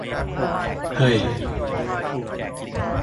เฮ้ย !